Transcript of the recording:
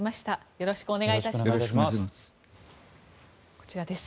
よろしくお願いします。